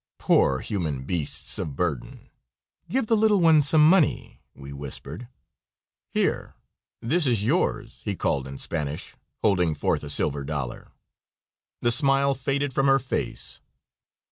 "Poor human beasts of burden! Give the little one some money," we whispered. "Here, this is yours," he called, in Spanish, holding forth a silver dollar. The smile faded from her face.